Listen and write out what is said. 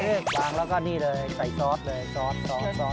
เออล้างแล้วก็นี่เลยใส่ซอสเลยซอส